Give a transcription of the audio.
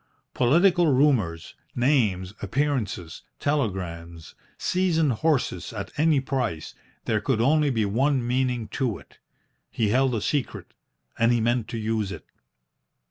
Political rumours, names, appearances, telegrams, seasoned horses at any price, there could only be one meaning to it. He held a secret, and he meant to use it.